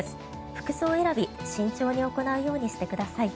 服装選び慎重に行うようにしてください。